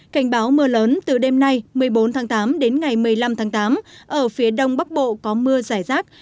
cảnh báo mưa lớn từ đêm nay một mươi bốn tháng tám đến ngày một mươi năm tháng tám ở phía đông bắc bộ có mưa giải rác